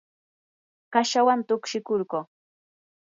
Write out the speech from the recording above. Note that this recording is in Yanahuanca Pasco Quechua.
kashawan tukshikurquu.